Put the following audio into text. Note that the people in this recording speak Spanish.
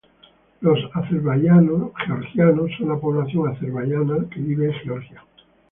Los azerbaiyanos georgianos son la población azerbaiyana, que vive en Georgia.